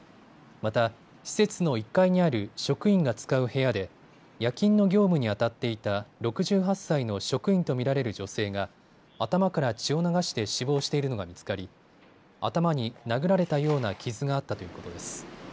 また、施設の１階にある職員が使う部屋で夜勤の業務にあたっていた６８歳の職員と見られる女性が頭から血を流して死亡しているのが見つかり頭に殴られたような傷があったということです。